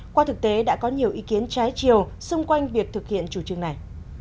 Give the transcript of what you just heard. qua thực tế đã có nhiều ý kiến trái chiều xung quanh việc thực hiện chủ trương này